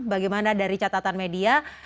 bagaimana dari catatan media